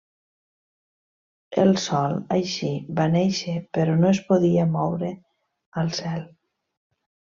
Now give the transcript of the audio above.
El sol, així, va néixer, però no es podia moure al cel.